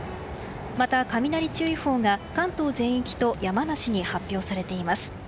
また雷注意報が関東全域と山梨に発表されています。